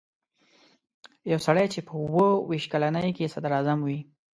یو سړی چې په اووه ویشت کلنۍ کې صدراعظم وي.